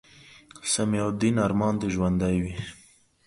سمیع الدین ارمان دې ژوندے وي